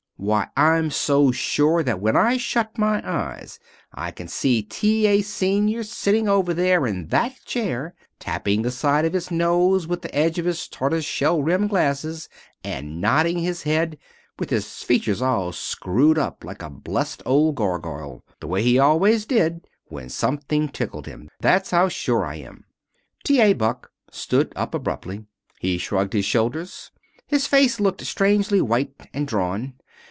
Why, I'm so sure that when I shut my eyes I can see T. A. Senior sitting over there in that chair, tapping the side of his nose with the edge of his tortoise shell rimmed glasses, and nodding his head, with his features all screwed up like a blessed old gargoyle, the way he always did when something tickled him. That's how sure I am." T. A. Buck stood up abruptly. He shrugged his shoulders. His face looked strangely white and drawn.